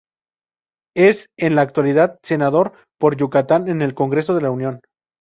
Es en la actualidad senador por Yucatán en el Congreso de la Unión.